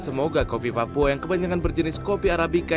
semoga kopi papua yang kebanyakan berjenis kopi arabica